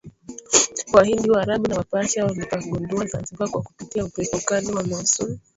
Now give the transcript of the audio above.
Wahindi waarabu na wa Persia walipagundua Zanzibar kwa kupitia upepo mkali wa Monsoon